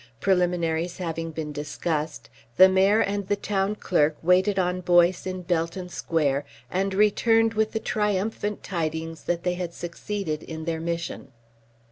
Preliminaries having been discussed, the Mayor and the Town Clerk waited on Boyce in Belton Square, and returned with the triumphant tidings that they had succeeded in their mission.